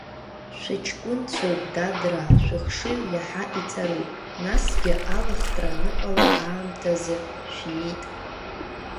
Шәыҷкәынцәоуп, дадраа, шәыхшыҩ иаҳа иҵаруп, насгьы алахтра аныҟала аамҭазы шәиит.